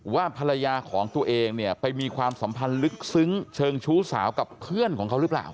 ว่าภรรยาของตัวเองเนี่ยไปมีความสัมพันธ์ลึกซึ้งเชิงชู้สาวกับเพื่อนของเขาหรือเปล่า